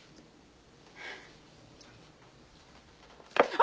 あ！